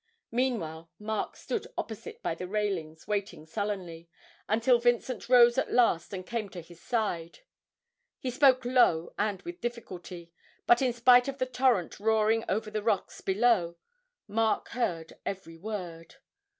Meanwhile Mark stood opposite by the railings waiting sullenly, until Vincent rose at last and came to his side; he spoke low and with difficulty, but, in spite of the torrent roaring over the rocks below, Mark heard every word.